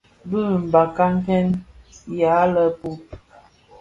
Bi mbakaken jaň lèpub,